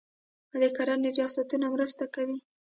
د کرنې ریاستونه مرسته کوي.